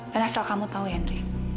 dan asal kamu tahu ya ndre